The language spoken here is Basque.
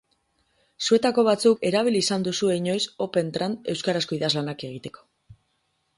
Zuetako batzuk erabili izan duzue inoiz Opentrad euskarazko idazlanak egiteko.